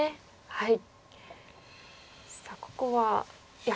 はい。